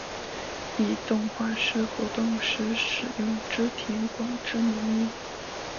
以动画师活动时使用织田广之名义。